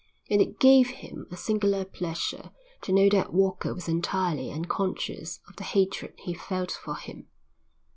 And it gave him a singular pleasure to know that Walker was entirely unconscious of the hatred he felt for him.